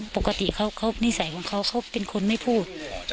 ปกตินิสัยของเขาเป็นคนไม่พูด